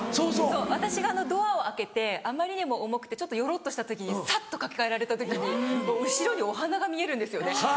私がドアを開けてあまりにも重くてちょっとよろっとした時にサッ！と抱えられた時に後ろにお花が見えるんですよね